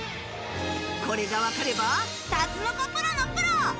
これが分かればタツノコプロのプロ。